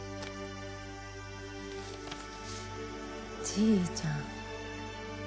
じいちゃん。